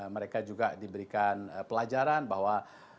mereka juga diberikan pelajaran bahwa